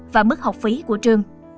và mức học phí của trường